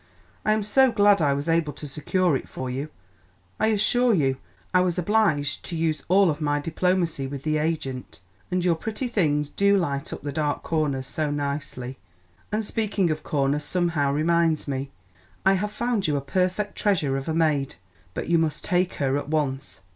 "I am so glad I was able to secure it for you; I assure you I was obliged to use all of my diplomacy with the agent. And your pretty things do light up the dark corners so nicely. And speaking of corners somehow reminds me, I have found you a perfect treasure of a maid; but you must take her at once.